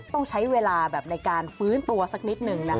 ต้องใช้เวลาแบบในการฟื้นตัวสักนิดหนึ่งนะคะ